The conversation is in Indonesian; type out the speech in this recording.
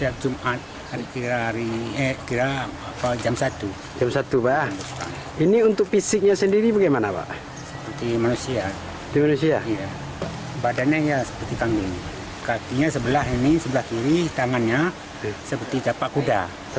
ketika bayi kambing ini dianggap sebagai manusia bayi kambing ini tidak seperti biasa